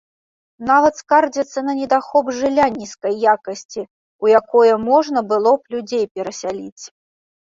Нават скардзяцца на недахоп жылля нізкай якасці, у якое можна было б людзей перасяляць.